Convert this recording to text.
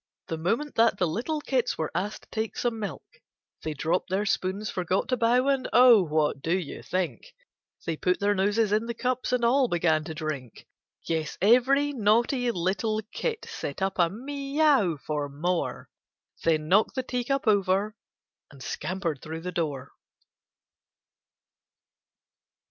The moment that the little kits were asked to take some milk. They dropped their spoons, forgot to bow, and — oh, what do you think ? They put their noses in the cups and all began to drink! Yes, every naughty little kit set up a Mee ow for more. Then knocked the tea cup over, and scampered through the door.